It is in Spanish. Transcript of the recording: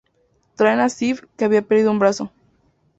Traen a Sif, que había perdido un brazo.